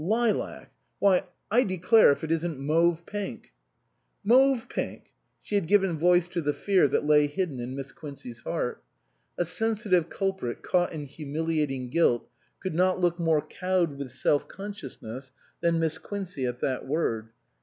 Lilac ! Why, I declare if it isn't mauve pink." " Mauve pink !" She had given voice to the fear that lay hidden in Miss Quincey's heart. A sensitive culprit caught in humiliating guilt could not look more cowed with self conscious ness than Miss Quincey at that word.